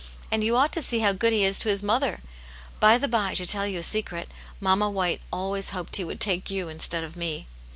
And you ought to see how good he is to his mother ! By the by, to tell you a secret, mamma White always hoped he would take you instead of me.